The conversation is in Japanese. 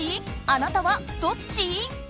あなたはどっち？